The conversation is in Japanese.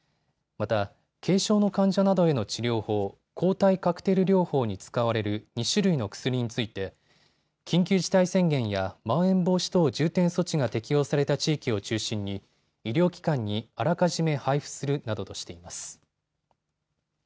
また、軽症の患者などへの治療法、抗体カクテル療法に使われる２種類の薬について緊急事態宣言やまん延防止等重点措置が適用された地域を中心に医療機関にあらかじめ配布するなどとしています。